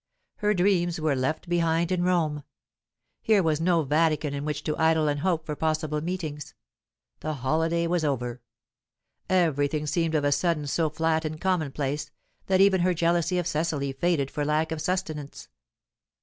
Her dreams were left behind in Rome. Here was no Vatican in which to idle and hope for possible meetings. The holiday was over. Everything seemed of a sudden so flat and commonplace, that even her jealousy of Cecily faded for lack of sustenance.